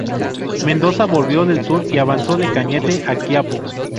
Mendoza volvió del sur y avanzó de Cañete a Quiapo.